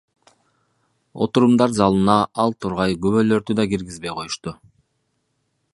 Отурумдар залына ал тургай күбөлөрдү да киргизбей коюшту!